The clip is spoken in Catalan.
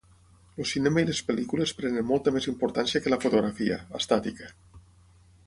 El cinema i les pel·lícules prenen molta més importància que la fotografia, estàtica.